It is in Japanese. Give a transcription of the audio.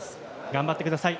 頑張ってください。